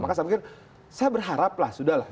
maka saya berharap lah sudah lah